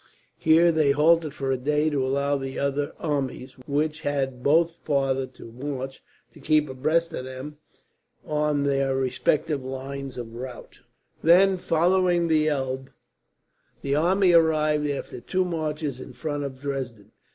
Here they halted for a day to allow the other armies, which had both farther to march, to keep abreast of them on their respective lines of route. Then, following the Elbe, the army arrived after two marches in front of Dresden.